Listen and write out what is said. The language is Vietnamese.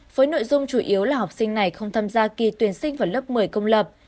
với nội dung chủ yếu là học sinh này không tham gia kỳ tuyển sinh vào lớp một mươi công lập